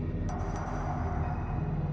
dan tidak ada yang menjaga liar anda